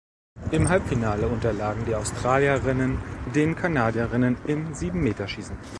Im Halbfinale unterlagen die Australierinnen den Kanadierinnen im Siebenmeterschießen.